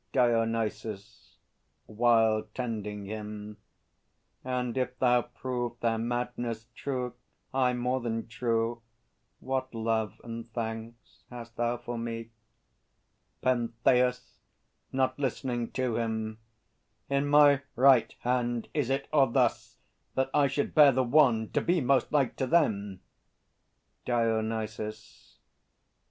DIONYSUS (while tending him). And if thou prove Their madness true, aye, more than true, what love And thanks hast thou for me? PENTHEUS (not listening to him). In my right hand Is it, or thus, that I should bear the wand, To be most like to them? DIONYSUS.